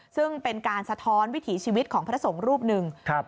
ซึ่งเป็นการสะท้อนวิถีชีวิตของพระสงฆ์รูปหนึ่งครับ